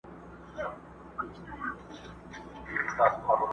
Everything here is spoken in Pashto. حیوانان له وهمه تښتي خپل پردی سي!.